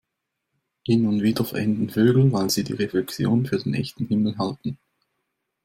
Hin und wieder verenden Vögel, weil sie die Reflexion für den echten Himmel halten.